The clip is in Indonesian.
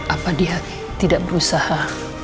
apa dia tidak berusaha